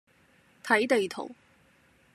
睇地圖